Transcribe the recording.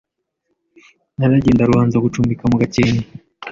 Naragiye ndaruha nza gucumbika mu gakenke